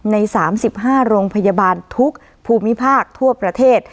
ใน๓๕โรงพยาบาลทุกภูมิภาคทั่วประเทศ